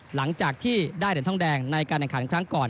หลังจากที่ได้เหรียญทองแดงในการแข่งขันครั้งก่อน